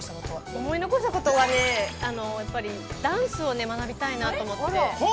◆思い残したことはね、やっぱりダンスを学びたいなと思って。